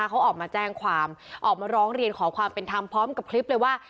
เขาออกมาแจ้งความออกมาร้องเรียนขอความเป็นธรรมพร้อมกับคลิปเลยว่า